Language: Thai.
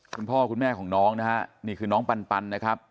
คุณพ่อคุณแม่ของน้องนะฮะนี่คือน้องปันนะครับ